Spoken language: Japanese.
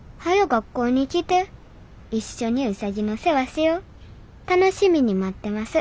学校に来ていっしょにウサギの世話しよ楽しみに待ってます。